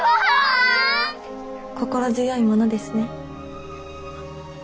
心強いものですね。